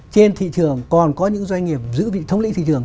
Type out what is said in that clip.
trên thị trường còn có những doanh nghiệp giữ vị thống lĩnh thị trường